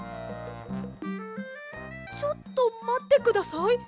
ちょっとまってください。